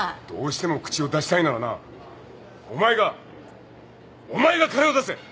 どうしても口を出したいならなお前がお前が金を出せ。